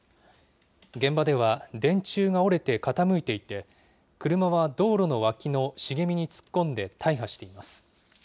現場では電柱が折れて傾いていて、車は道路の脇の茂みに突っ込んで大破しています。